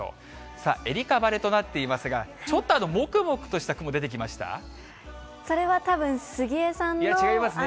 さあ、愛花晴れとなっていますが、ちょっともくもくとした雲出てきそれはたぶん、違いますね。